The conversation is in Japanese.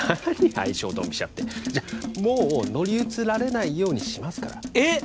相性ドンピシャってじゃもう乗り移られないようにしますからえっ！？